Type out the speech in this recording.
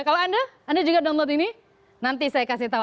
kalau anda anda juga download ini nanti saya kasih tahu